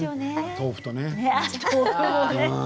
豆腐とね。